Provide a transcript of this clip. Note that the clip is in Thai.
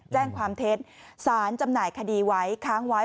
แจ้งความเท็จสารจำหน่ายคดีไว้ค้างไว้